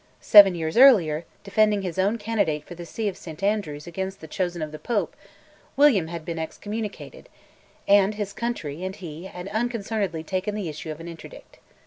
Seven years earlier, defending his own candidate for the see of St Andrews against the chosen of the Pope, William had been excommunicated, and his country and he had unconcernedly taken the issue of an Interdict.